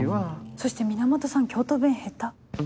そして源さん京都弁ヘタ。